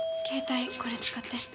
携帯これ使って。